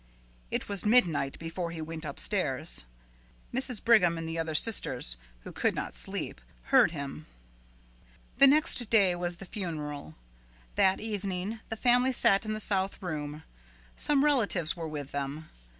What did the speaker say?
It was midnight before he went upstairs. Mrs. Brigham and the other sisters, who could not sleep, heard him. The next day was the funeral. That evening the family sat in the south room. Some relatives were with them.